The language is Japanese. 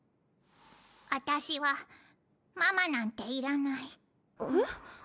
私はママなんていらないえっ？